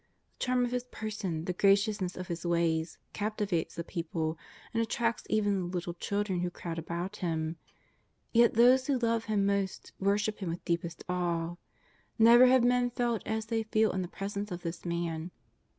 The charm of His Person, the gracious ness of His ways, captivates the people and attracts even the little children, who crowd about Him. Yet those who lovo Him most worship Him with deepest awe. Never have men felt as .hey feel in the Presence of this Man.